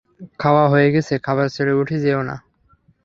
খাওয়া হয়ে গেছে - খাবার ছেড়ে উঠে যেও না।